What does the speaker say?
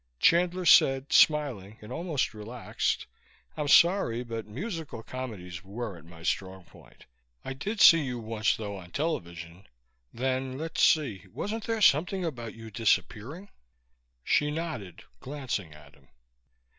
Chandler said, smiling, and almost relaxed, "I'm sorry, but musical comedies weren't my strong point. I did see you once, though, on television. Then, let's see, wasn't there something about you disappearing " She nodded, glancing at him.